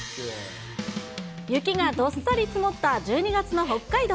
雪がどっさり積もった１２月の北海道。